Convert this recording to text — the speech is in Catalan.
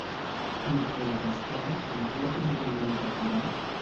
I, mentrestant, amb qui va conduir un altre programa?